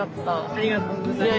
ありがとうございます。